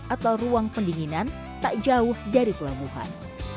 atau ruang pendinginan tak jauh dari pelabuhan